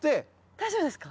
大丈夫ですか？